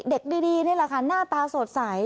เด็กดีนี่แหละค่ะหน้าตาสดใส